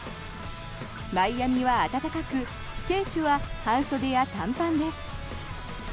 マイアミは暖かく選手は半袖や短パンです。